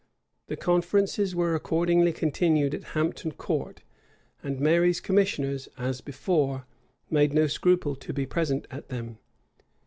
The conferences were accordingly continued at Hampton Court; and Mary's commissioners, as before, made no scruple to be present at them.